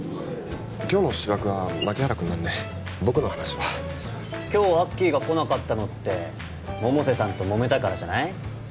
今日の主役は牧原くんなんで僕の話は今日アッキーが来なかったのって百瀬さんともめたからじゃない？